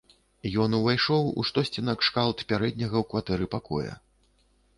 Ён увайшоў у штосьці накшталт пярэдняга ў кватэры пакоя.